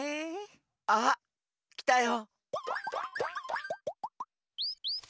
あきたよ！